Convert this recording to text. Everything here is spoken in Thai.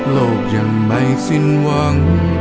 โลกยังไม่สิ้นหวัง